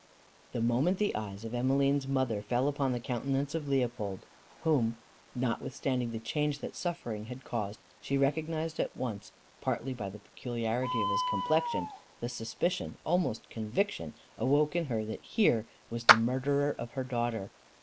The moment the eyes of Emmeline's mother fell upon the countenance of Leopold, whom, notwithstanding the change that suffering had caused, she recognized at once, partly by the peculiarity of his complexion, the suspicion, almost conviction, awoke in her that here was the murderer of her daughter.